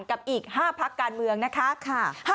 กับอีก๕พักการเมืองนะคะ